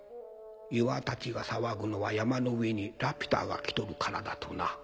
岩たちが騒ぐのは鉱山の上にラピュタが来とるからだとな。